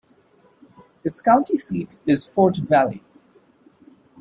Its county seat is Fort Valley.